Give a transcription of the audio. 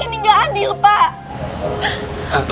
ini gak adil pak